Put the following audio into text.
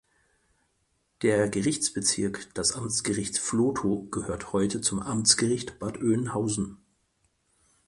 Der Gerichtsbezirk das Amtsgerichts Vlotho gehört heute zum Amtsgericht Bad Oeynhausen.